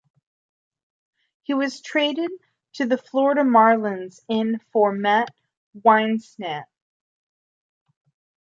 He was traded to the Florida Marlins in for Matt Whisenant.